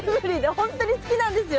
ほんとに好きなんですよ。